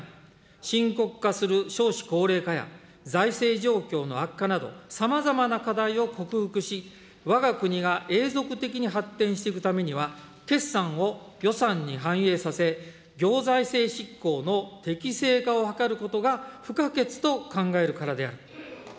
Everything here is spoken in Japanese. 深刻化する少子高齢化や、財政状況の悪化など、さまざまな課題を克服し、わが国が永続的に発展していくためには、決算を予算に反映させ、行財政執行の適正化を図ることが不可欠と考えるからである。